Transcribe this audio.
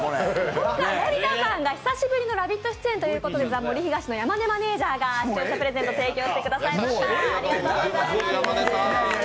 今回、森田さんが久しぶりの「ラヴィット！」出演ということでザ・森東の山根マネージャーが視聴者プレゼント、提供してくれました。